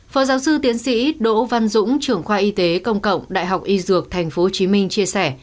phó giáo sư tiến sĩ đỗ văn dũng trưởng khoa y tế công cộng đại học y dược tp hcm chia sẻ